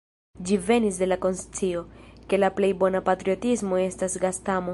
Ĝi venis de la konscio, ke la plej bona patriotismo estas gastamo!